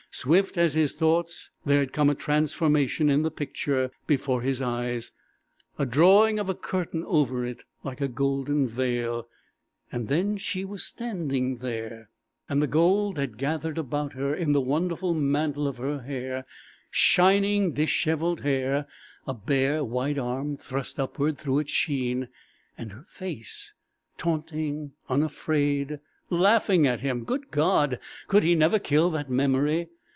Swift as his thoughts there had come a transformation in the picture before his eyes a drawing of a curtain over it, like a golden veil; and then she was standing there, and the gold had gathered about her in the wonderful mantle of her hair shining, dishevelled hair a bare, white arm thrust upward through its sheen, and her face taunting, unafraid laughing at him! Good God! could he never kill that memory?